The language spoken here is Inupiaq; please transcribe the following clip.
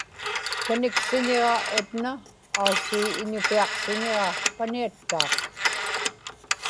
Taniksiñiġa Edna, aasii Iñupiaqsiñiġa Paniattaaq;